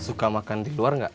suka makan di luar nggak